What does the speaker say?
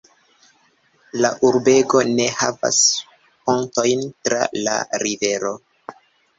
La urbego ne havas pontojn tra la rivero.